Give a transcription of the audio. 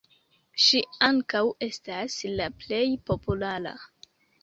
Ŝi ankaŭ estas la plej populara.